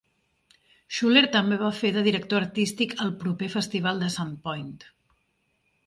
Schuller també va fer de director artístic al proper festival de Sandpoint.